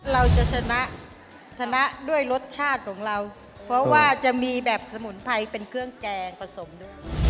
เราจะชนะชนะด้วยรสชาติของเราเพราะว่าจะมีแบบสมุนไพรเป็นเครื่องแกงผสมด้วย